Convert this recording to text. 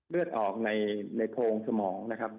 เลือดออกในโพงสมองนะครับ